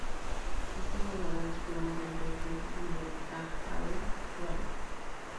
Este jugador es primo del dos veces mundialista Harold Wallace.